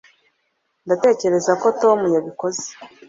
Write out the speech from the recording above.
ndatekereza ko tom yabikoze